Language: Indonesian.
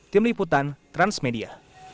tim liputan transmedia